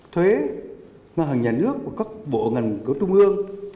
thuế ngân hàng nhà nước và các bộ ngành của trung ương